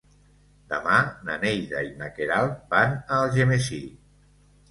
Demà na Neida i na Queralt van a Algemesí.